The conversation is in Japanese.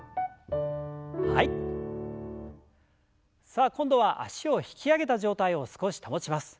さあ今度は脚を引き上げた状態を少し保ちます。